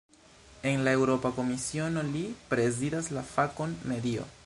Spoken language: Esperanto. En la Eŭropa Komisiono li prezidas la fakon "medio".